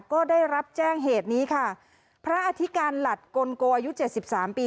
ก็ได้รับแจ้งเหตุนี้ค่ะพระอธิการหลัดกลโกอายุเจ็ดสิบสามปี